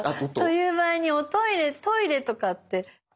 という場合にトイレとかって。